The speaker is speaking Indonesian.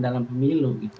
dalam pemilu gitu